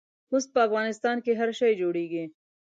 اوس په افغانستان کښې هر شی جوړېږي.